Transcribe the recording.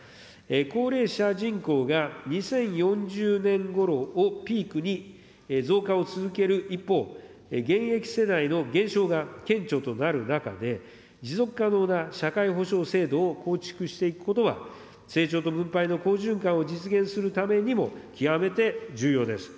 高齢者人口が２０４０年ごろをピークに、増加を続ける一方、現役世代の減少が顕著となる中で、持続可能な社会保障制度を構築していくことは、成長と分配の好循環を実現するためにも、極めて重要です。